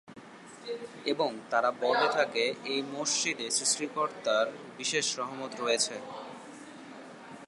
এবং তারা বলে থাকে, এই মসজিদে সৃষ্টিকর্তার বিশেষ রহমত রয়েছে।